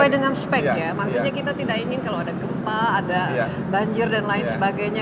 maksudnya kita tidak ingin kalau ada gempa ada banjir dan lain sebagainya